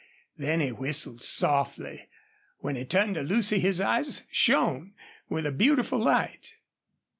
Then he whistled softly. When he turned to Lucy his eyes shone with a beautiful light.